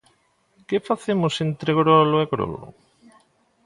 Que facemos entre grolo e grolo?